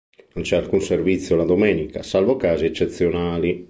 Non c'è alcun servizio la domenica, salvo casi eccezionali.